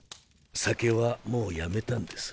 酒はもうやめたんです。